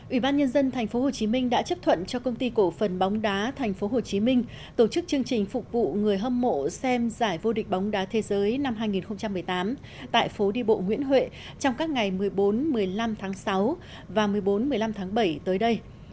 ủy ban nhân dân tp hcm đã chấp thuận cho công ty cổ phần bóng đá tp hcm tổ chức chương trình phục vụ người hâm mộ xem giải vô địch bóng đá thế giới năm hai nghìn một mươi tám tại phố đi bộ nguyễn huệ trong các ngày một mươi bốn một mươi năm tháng sáu và một mươi bốn một mươi năm tháng bảy tới đây